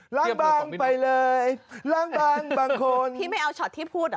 ล้างบางไปเลยล้างบางบางคนที่ไม่เอาช็อตที่พูดอ่ะ